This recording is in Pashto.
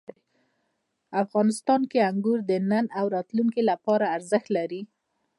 افغانستان کې انګور د نن او راتلونکي لپاره ارزښت لري.